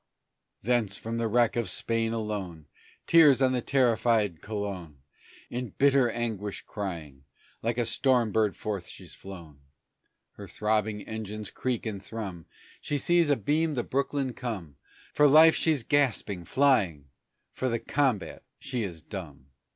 Thence from the wreck of Spain alone Tears on the terrified Colon, In bitter anguish crying, like a storm bird forth she's flown; Her throbbing engines creak and thrum; She sees abeam the Brooklyn come, For life she's gasping, flying; for the combat is she dumb.